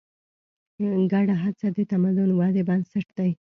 ګډه هڅه د تمدن ودې بنسټ دی.